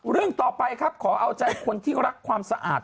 เรื่องต่อไปครับขอเอาใจคนที่รักความสะอาด